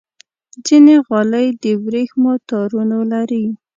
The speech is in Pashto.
ځینې غالۍ د ورېښمو تارونو لري.